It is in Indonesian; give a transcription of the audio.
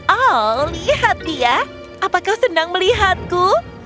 oh lihat dia apa kau senang melihatku